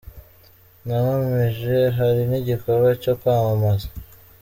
namamije hari n’igikorwa cyo kwamamaza.